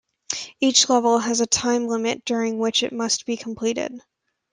Each level has a time limit during which it must be completed.